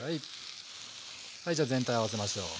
はいじゃ全体合わせましょう。